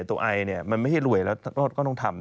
ตัวไอเนี่ยมันไม่ใช่รวยแล้วก็ต้องทำ